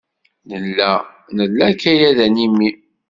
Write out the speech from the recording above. Nella nla akayad animi.